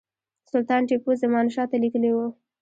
سلطان ټیپو زمانشاه ته لیکلي وه.